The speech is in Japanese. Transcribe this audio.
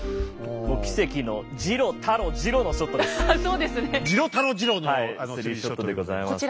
奇跡のジロータロジロのショットです。